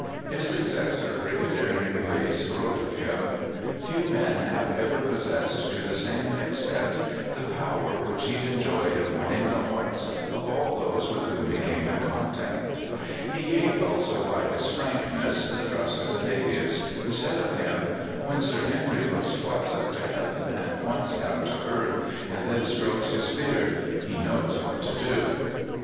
His successor, Brigadier Inglis, wrote of him: "Few men have ever possessed to the same extent the power which he enjoyed of winning the hearts of all those with whom he came in contact." He gained also by his frankness the trust of the natives, who said of him: "When Sir Henry looks twice up to heaven and once down to earth, and then strokes his beard, he knows what to do."